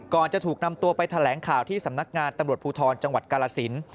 จะถูกนำตัวไปแถลงข่าวที่สำนักงานตำรวจภูทรจังหวัดกาลสิน